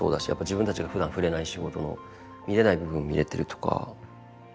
自分たちがふだん触れない仕事の見れない部分見れてるとか。